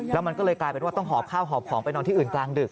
แล้วมันก็เลยกลายเป็นว่าต้องหอบข้าวหอบของไปนอนที่อื่นกลางดึก